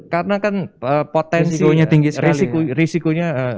karena kan potensi risikonya